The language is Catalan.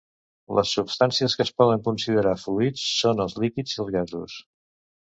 Les substàncies que es poden considerar fluids són els líquids i els gasos.